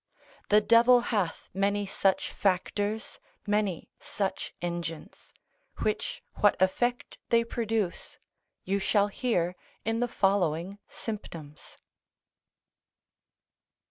The devil hath many such factors, many such engines, which what effect they produce, you shall hear in the following symptoms.